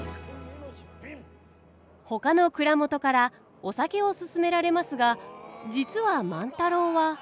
ほかの蔵元からお酒を勧められますが実は万太郎は。